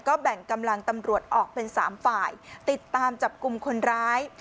ก็แบ่งกำลังตำรวจออกเป็น๓ฝ่ายติดตามจับกลุ่มคนร้าย